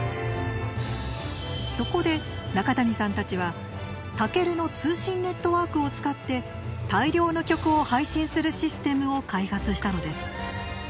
そこで中谷さんたちはＴＡＫＥＲＵの通信ネットワークを使って大量の曲を配信するシステムを開発したのです。